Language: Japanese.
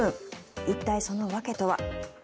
一体、その訳とは。